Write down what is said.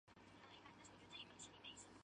几人在船上遇到决意追随屠苏的襄铃。